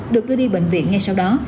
được đưa đi bệnh viện ngay sau đó